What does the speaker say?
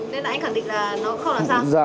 nên là anh khẳng định là nó không là sao